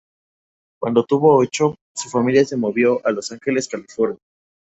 Cuando tuvo ocho, su familia se movió a Los Ángeles, California.